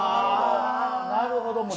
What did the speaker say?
なるほど。